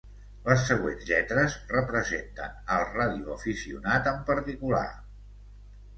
Les següents lletres representen al radioaficionat en particular.